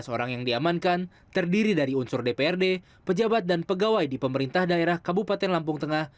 tiga belas orang yang diamankan terdiri dari unsur dprd pejabat dan pegawai di pemerintah daerah kabupaten lampung tengah